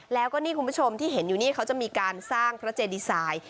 แล้วก็นี่คุณผู้ชมที่เห็นอยู่นี่เขาจะมีการสร้างพระเจดีไซน์